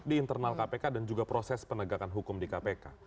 di internal kpk dan juga proses penegakan hukum di kpk